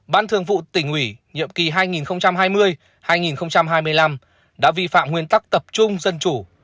ban thường vụ tỉnh ủy nhiệm kỳ hai nghìn hai mươi hai nghìn hai mươi năm đã vi phạm nguyên tắc tập trung dân chủ